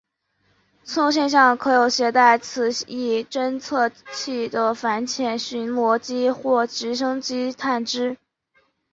此种现象可由携带磁异侦测器的反潜巡逻机或直升机探知。